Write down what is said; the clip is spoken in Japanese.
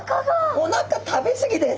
おなか食べ過ぎです。